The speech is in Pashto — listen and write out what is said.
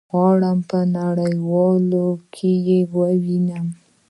غواړم په نړيوالو کي يي ووينم